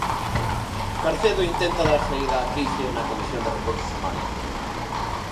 Carcedo intenta dar saída á crise na Comisión de Recursos Humanos.